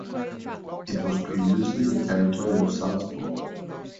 It was previously a territory of Salzburg.